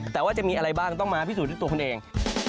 แต่ว่าจะมีอะไรบ้างต้องมาพิสูจน์ด้วยตัวคุณเอง